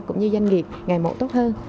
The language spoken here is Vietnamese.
cũng như doanh nghiệp ngày một tốt hơn